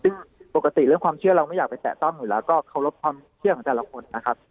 ซึ่งปกติเรื่องความเชื่อเราไม่อยากไปแตะต้องอยู่แล้วก็เคารพความเชื่อของแต่ละคนนะครับ